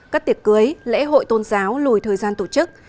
các tiệc cưới lễ hội tôn giáo lùi thời gian tổ chức